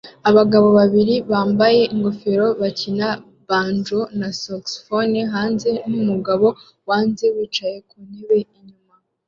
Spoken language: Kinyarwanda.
Abagabo babiri bambaye ingofero bakina banjo na saxofone hanze numugabo wanze wicaye ku ntebe inyuma